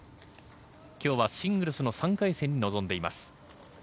今日はシングルスの３回戦に臨んでいます。